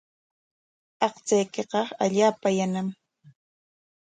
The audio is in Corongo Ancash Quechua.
Aqchaykiqa allaapa yanam.